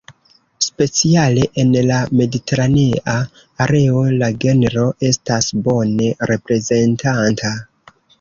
Speciale en la mediteranea areo la genro estas bone reprezentata.